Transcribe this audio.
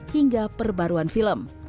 hingga perbaruan film